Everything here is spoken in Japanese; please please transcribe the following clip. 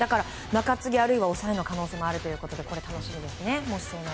中継ぎ、あるいは抑えの可能性もあるということで楽しみですね。